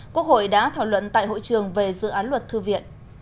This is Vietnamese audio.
quốc hội đã thảo luận tại hội trường về dự án luật thư viện